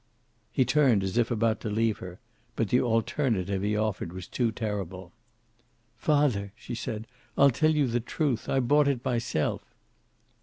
He turned, as if about to leave her, but the alternative he offered her was too terrible. "Father!" she said. "I'll tell you the truth. I bought it myself."